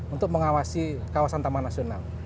untuk mengawasi kawasan taman nasional